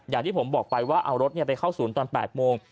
อย่างที่ผมบอกไปว่าเอารถไปเข้าศูนย์ตอน๘โมง